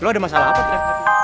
eh lo ada masalah apa